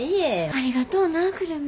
ありがとうな久留美。